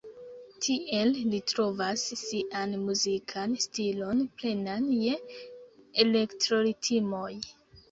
Tiel, li trovas sian muzikan stilon plenan je elektro-ritmoj.